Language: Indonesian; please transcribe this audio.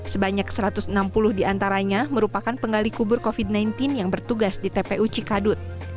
sebanyak satu ratus enam puluh diantaranya merupakan penggali kubur covid sembilan belas yang bertugas di tpu cikadut